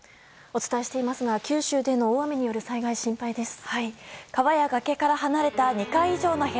お伝えしていますが九州での大雨による災害心配です。